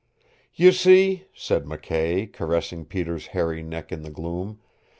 "You see," said McKay, caressing Peter's hairy neck in the gloom.